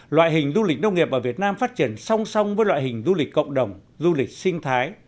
loại hình du lịch nông nghiệp ở việt nam phát triển song song với loại hình du lịch cộng đồng du lịch sinh thái